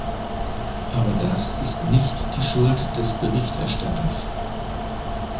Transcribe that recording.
Aber das ist nicht die Schuld des Berichterstatters.